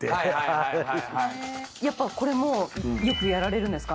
やっぱこれもよくやられるんですか？